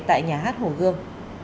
tại nhà hát hồ gươm